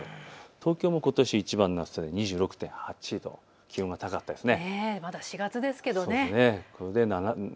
東京もことしいちばんの暑さ２６．８度、気温が高かったですね。